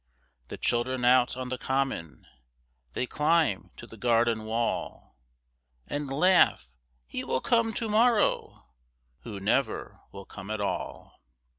The children out on the common: They climb to the garden wall; And laugh: "He will come to morrow!" Who never will come at all.